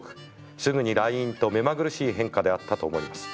すぐに来院とめまぐるしい変化であったと思います。